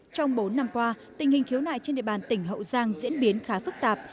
trong bốn năm qua tình hình khiếu nại trên địa bàn tỉnh hậu giang diễn biến khá phức tạp